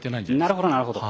なるほどなるほど。